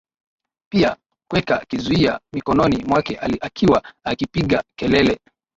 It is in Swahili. pia kuweka kizuia mikononi mwake akiwa akipiga kelele